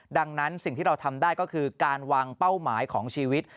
ดังนั้นสิ่งที่เราทำได้ก็คือการวางเป้าหมายของชีวิต